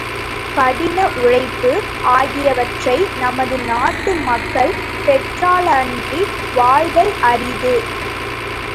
கடின உழைப்பு, ஆகியவற்றை நமது நாட்டு மக்கள் பெற்றாலன்றி வாழ்தல் அரிது.